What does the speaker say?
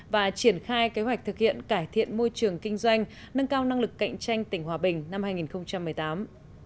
và triển khai kế hoạch thực hiện cải thiện môi trường kinh doanh nâng cao năng lực cạnh tranh tỉnh hòa bình năm hai nghìn một mươi tám